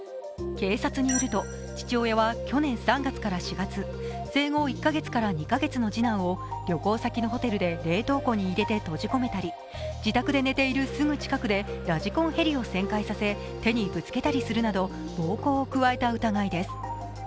警察によると父親は去年３月から４月生後１カ月から２カ月の次男を旅行先のホテルで冷凍庫に入れて閉じ込めたり自宅で寝ているすぐ近くでラジコンヘリを旋回させ手にぶつけたりするなど暴行を加えた疑いです。